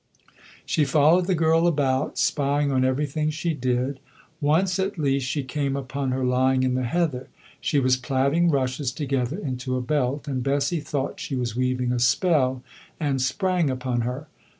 She followed the girl about, spying on everything she did. Once, at least, she came upon her lying in the heather. She was plaiting rushes together into a belt, and Bessie thought she was weaving a spell and sprang upon her.